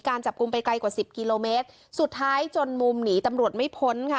จับกลุ่มไปไกลกว่าสิบกิโลเมตรสุดท้ายจนมุมหนีตำรวจไม่พ้นค่ะ